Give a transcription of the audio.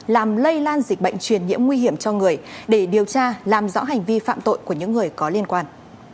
làm lây lan dịch bệnh truyền nhiễm nguy hiểm cho người để điều tra làm rõ hành vi phạm tội của những người có liên quan